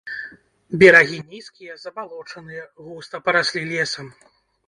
Берагі нізкія, забалочаныя, густа параслі лесам.